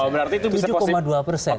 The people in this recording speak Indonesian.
berarti itu bisa positif